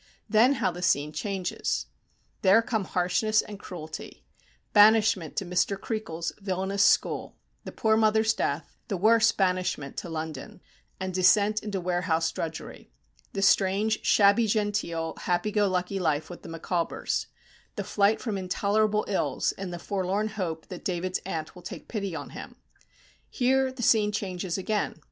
Then how the scene changes. There come harshness and cruelty; banishment to Mr. Creakle's villainous school; the poor mother's death; the worse banishment to London, and descent into warehouse drudgery; the strange shabby genteel, happy go lucky life with the Micawbers; the flight from intolerable ills in the forlorn hope that David's aunt will take pity on him. Here the scene changes again.